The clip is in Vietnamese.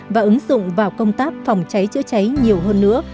và ứng dụng vào công tác phòng cháy chữa cháy nhiều hơn nữa